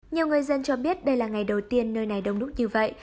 nhiều người dân cho biết đây là ngày đầu tiên nơi này đông đúc như vậy